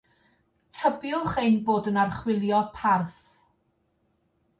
Tybiwch ein bod yn archwilio parth.